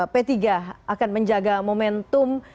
p tiga akan menjaga momentum